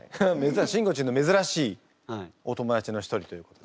しんごちんの珍しいお友達の一人ということで。